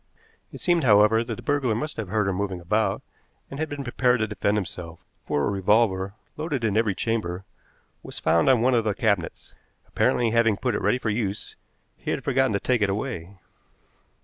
It seemed, however, that the burglar must have heard her moving about and had been prepared to defend himself, for a revolver, loaded in every chamber, was found on one of the cabinets. Apparently, having put it ready for use, he had forgotten to take it away.